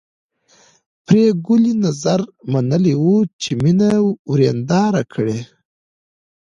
پري ګلې نذر منلی و چې مینه ورېنداره کړي